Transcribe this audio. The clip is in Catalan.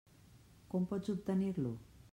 Com pots obtenir-lo?